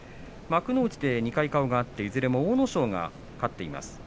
幕内で２回顔が合っていずれも阿武咲が勝っています。